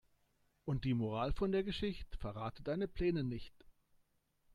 Und die Moral von der Geschicht': Verrate deine Pläne nicht.